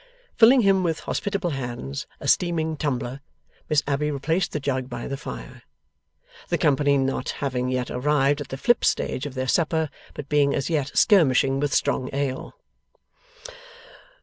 Filling him, with hospitable hands, a steaming tumbler, Miss Abbey replaced the jug by the fire; the company not having yet arrived at the flip stage of their supper, but being as yet skirmishing with strong ale.